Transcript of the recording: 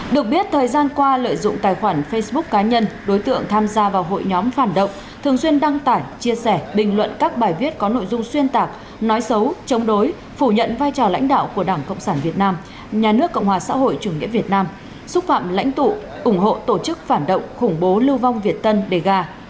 được biết thời gian qua lợi dụng tài khoản facebook cá nhân đối tượng tham gia vào hội nhóm phản động thường xuyên đăng tải chia sẻ bình luận các bài viết có nội dung xuyên tạc nói xấu chống đối phủ nhận vai trò lãnh đạo của đảng cộng sản việt nam nhà nước cộng hòa xã hội chủ nghĩa việt nam xúc phạm lãnh tụ ủng hộ tổ chức phản động khủng bố lưu vong việt tân đề gà